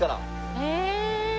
へえ！